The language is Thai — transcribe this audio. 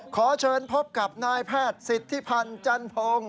ขอเชิญพบกับนายแพทย์สิทธิพันธ์จันพงศ์